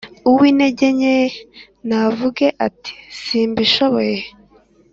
Uw’intege nke navuge ati simbishoboye